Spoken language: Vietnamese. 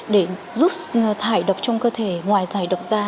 để giúp thải độc trong cơ thể ngoài thải độc da